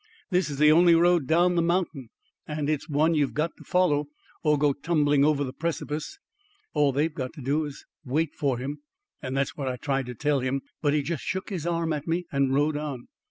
This is the only road down the mountain, and it's one you've got to follow or go tumbling over the precipice. All they've got to do is to wait for him; and that's what I tried to tell him, but he just shook his arm at me and rode on.